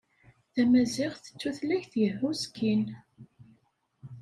Tamaziɣt d tutlayt yehhuskin.